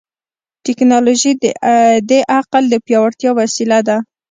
ټیکنالوژي د دې عقل د پیاوړتیا وسیله ده.